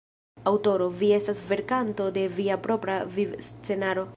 Aŭtoro: Vi estas verkanto de via propra viv-scenaro.